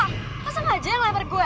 masa nggak aja yang lempar gue